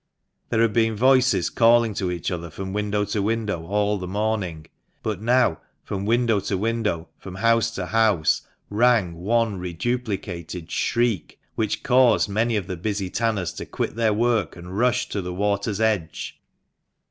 There had been voices calling to each other from window to window all the morning ; but now from window to window, from house to house, rang one reduplicated shriek, which caused many of the busy tanners to quit their work, and rush to the water's edge.